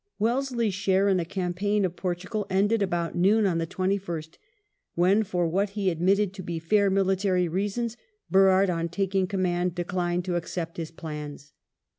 Wellesle/s share in the campaign of Portugal ended about noon on the 21st, when, for what he admitted to be fair military reasons, Burrard, on taking command, declined to accept his plans.